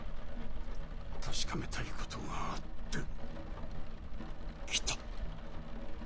確かめたいことがあって来た。